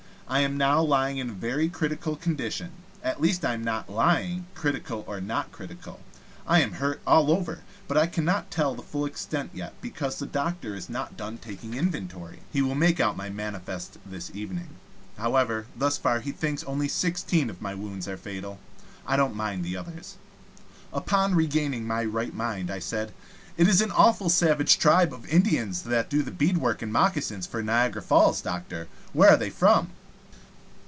I am now lying in a very critical condition. At least I am lying anyway critical or not critical. I am hurt all over, but I cannot tell the full extent yet, because the doctor is not done taking inventory. He will make out my manifest this evening. However, thus far he thinks only sixteen of my wounds are fatal. I don't mind the others. Upon regaining my right mind, I said: "It is an awful savage tribe of Indians that do the beadwork and moccasins for Niagara Falls, doctor. Where are they from?"